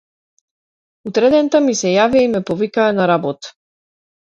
Утредента ми се јавија и ме повикаа на работа.